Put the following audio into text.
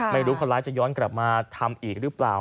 ไม่รู้คนร้ายจะย้อนกลับมาทำอีกหรือเปล่า